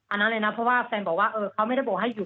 อันนั้นเลยนะเพราะว่าแฟนบอกว่าเขาไม่ได้บอกให้หยุด